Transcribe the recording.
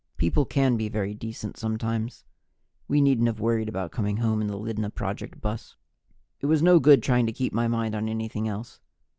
People can be very decent sometimes. We needn't have worried about coming home in the Lydna Project bus. It was no good trying to keep my mind on anything else.